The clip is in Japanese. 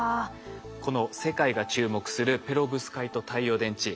この世界が注目するペロブスカイト太陽電池。